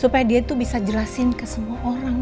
supaya dia tuh bisa jelasin ke semua orang